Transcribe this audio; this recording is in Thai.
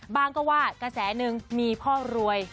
ก็ว่ากระแสหนึ่งมีพ่อรวย